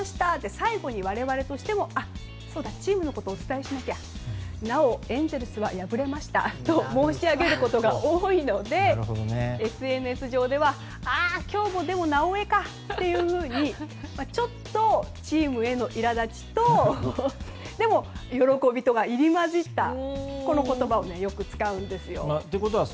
最後に、我々としてもチームのことお伝えしなきゃなお、エンゼルスは敗れましたと申し上げることが多いので、ＳＮＳ上では今日もなおエかというふうにちょっと、チームへの苛立ちとでも喜びとが入り混じったこの言葉をよく使うんですよ。